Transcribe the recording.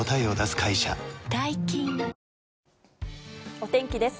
お天気です。